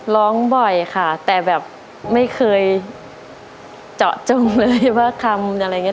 ร้องบ่อยค่ะแต่แบบไม่เคยเจาะจงเลยว่าคำอะไรอย่างนี้